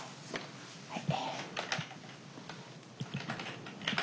はい。